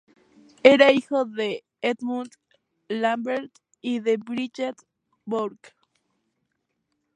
Era hijo de Edmund Lambert y de Bridget Bourke.